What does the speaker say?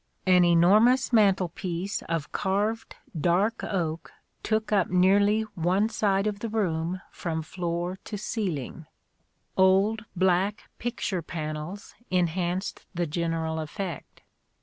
An enormous mantelpiece of carved dark oak took up nearly A DAY WITH ROSSETTI. one side of the room from floor to ceiling : old black picture panels enhanced the general effect.